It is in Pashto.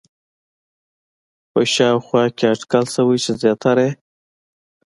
په شاوخوا کې اټکل شوی چې زیاتره یې